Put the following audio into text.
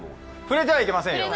触れてはいけませんよ！